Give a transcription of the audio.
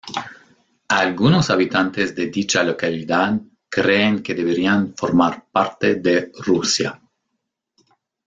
Algunos habitantes de dicha localidad creen que deberían formar parte de Rusia.